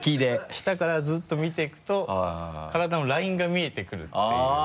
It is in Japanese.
下からずっと見ていくと体のラインが見えてくるという。